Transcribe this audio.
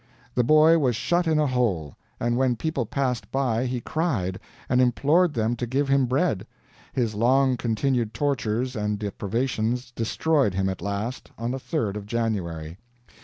The boy was shut in a hole, and when people passed by he cried, and implored them to give him bread. His long continued tortures and deprivations destroyed him at last, on the third of January.